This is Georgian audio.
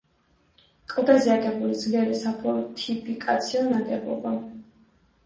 კლდეზე აგებული ძლიერი საფორტიფიკაციო ნაგებობა.